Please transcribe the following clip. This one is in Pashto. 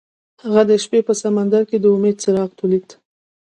هغه د شپه په سمندر کې د امید څراغ ولید.